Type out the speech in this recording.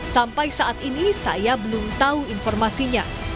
sampai saat ini saya belum tahu informasinya